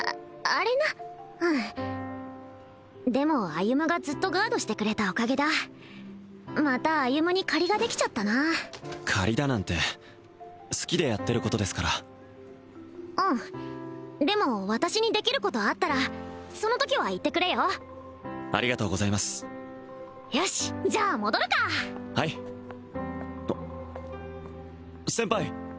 あれなうんでも歩がずっとガードしてくれたおかげだまた歩に借りができちゃったな借りだなんて好きでやってることですからうんでも私にできることあったらそのときは言ってくれよありがとうございますよしじゃあ戻るかはい先輩